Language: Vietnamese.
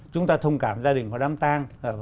chúng ta thông cảm gia đình có đám tang